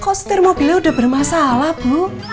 kok setir mobilnya udah bermasalah bu